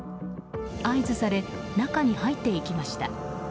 合図され、中に入っていきました。